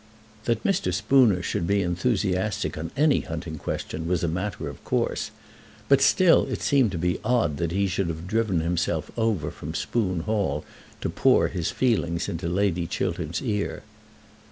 That Mr. Spooner should be enthusiastic on any hunting question was a matter of course; but still it seemed to be odd that he should have driven himself over from Spoon Hall to pour his feelings into Lady Chiltern's ear.